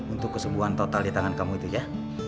untuk kesembuhan total di tangan kamu itu ya